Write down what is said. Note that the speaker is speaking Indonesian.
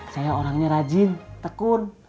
saya orangnya rajin tekun